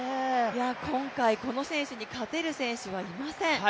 今回、この選手に勝てる選手はいません。